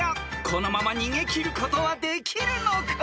［このまま逃げ切ることはできるのか！？］